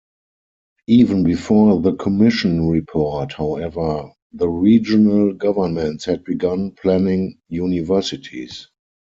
Even before the Commission report, however, the regional governments had begun planning universities.